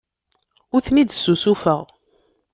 Ur ten-id-ssusufeɣ.